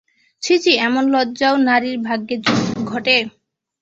ছি ছি, এমন লজ্জাও নারীর ভাগ্যে ঘটে।